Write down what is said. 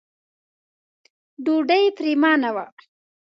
ډوډۍ پرېمانه وه.